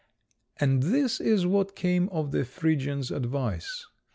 And this is what came of the Phrygian's advice.